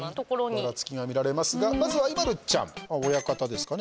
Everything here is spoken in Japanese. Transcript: ばらつきが見られますがまずはＩＭＡＬＵちゃんは親方ですかね。